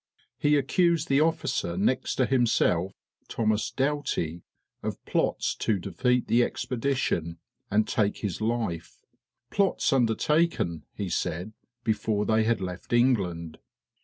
He accused the officer next to himself, Thomas Doughty, of plots to defeat the expedition and take his life; plots undertaken, he said, before they had left England.